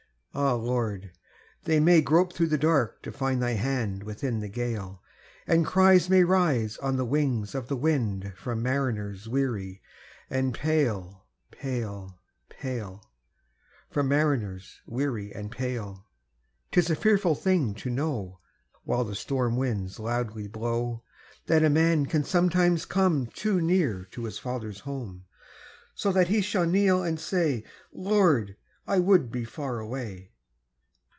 Ah, Lord! they may grope through the dark to find Thy hand within the gale; And cries may rise on the wings of the wind From mariners weary and pale, pale, pale From mariners weary and pale! 'Tis a fearful thing to know, While the storm winds loudly blow, That a man can sometimes come Too near to his father's home; So that he shall kneel and say, "Lord, I would be far away!"